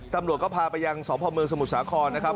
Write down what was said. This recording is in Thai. ตำรวจก็พาไปยังสพเมืองสมุทรสาครนะครับ